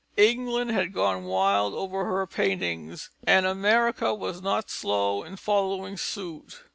England has gone wild over her paintings; and America was not slow in following suit.